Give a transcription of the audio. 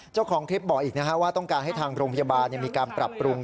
เจ้าของคลิปบอกอีกว่าต้องการให้ทางโรงพยาบาลมีการปรับปรุง